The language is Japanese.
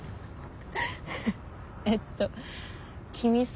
えっと君さ。